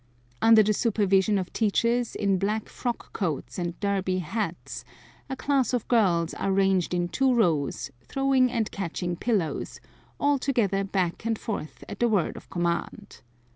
Under the supervision of teachers in black frock coats and Derby hats, a class of girls are ranged in two rows, throwing and catching pillows, altogether back and forth at the word of command.